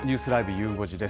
ゆう５時です。